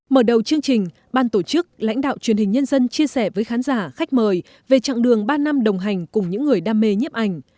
mở đầu chương trình ban tổ chức lãnh đạo truyền hình nhân dân chia sẻ với khán giả khách mời về chặng đường ba năm đồng hành cùng những người đam mê nhiếp ảnh